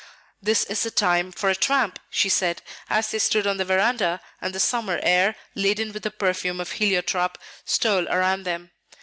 "This is the time for a tramp," she said, as they stood on the veranda, and the summer air, laden with the perfume of heliotrope, stole around them.